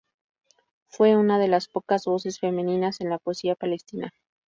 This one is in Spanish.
Fue una de las pocas voces femeninas en la poesía palestina.